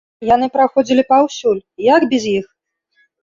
Яны праходзілі паўсюль, як без іх?